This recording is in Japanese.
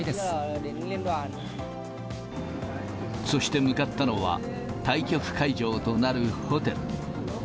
そして向かったのは、対局会場となるホテル。